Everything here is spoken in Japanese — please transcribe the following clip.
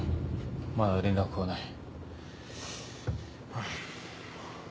まだ連絡来ない。